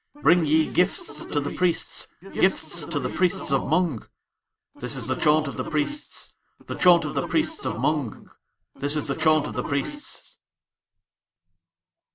Bring ye gifts to the Priests, gifts to the Priests of Mung. This is the chaunt of the Priests. The chaunt of the Priests of Mung. This is the chaunt of the Priests.